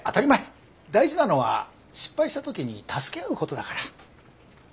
大事なのは失敗した時に助け合うことだから。